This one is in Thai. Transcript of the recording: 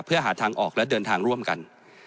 เพื่อหาทางออกและเดินทางร่วมกัน